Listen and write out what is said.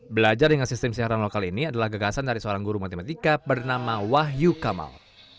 belajar dengan sistem siaran lokal ini adalah gagasan dari seorang guru matematika bernama wahyu kamal